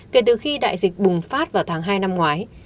kể từ khi đại dịch bùng phát vào tháng hai năm ngoái